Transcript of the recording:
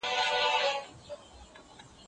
ولي د کارګرو مهارتونه د تولید کیفیت ټاکي؟